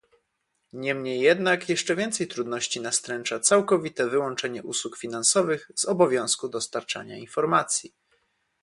Niemniej jednak jeszcze więcej trudności nastręcza całkowite wyłączenie usług finansowych z obowiązku dostarczania informacji